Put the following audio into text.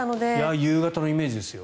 夕方のイメージですよ。